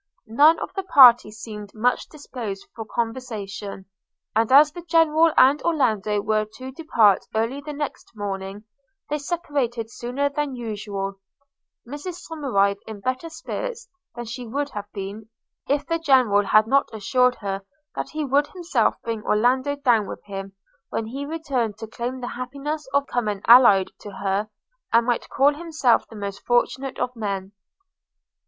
None of the party seemed much disposed for conversation, and as the General and Orlando were to depart early the next morning, they separated sooner than usual: Mrs Somerive in better spirits than she would have been, if the General had not assured her that he would himself bring Orlando down with him, when he returned to claim the happiness of becoming allied to her, and might call himself the most fortunate of men.